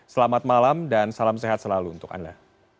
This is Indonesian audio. selamat malam dan salam sehat selalu untuk anda